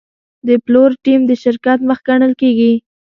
د پلور ټیم د شرکت مخ ګڼل کېږي.